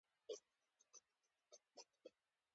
د لغمان د کرکټ ښار د اشوکا کتیبه لري